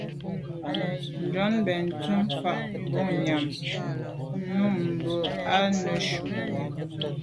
Njon benntùn fa boa nyàm num mbwôg i neshu.